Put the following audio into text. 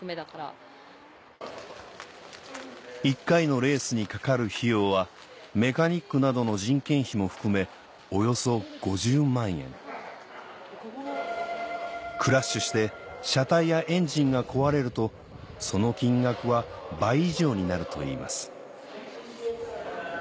１回のレースにかかる費用はメカニックなどの人件費も含めおよそ５０万円クラッシュして車体やエンジンが壊れるとその金額は倍以上になるといいます